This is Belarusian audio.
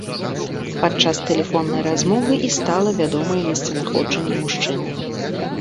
Падчас тэлефоннай размовы і стала вядомае месцазнаходжанне мужчыны.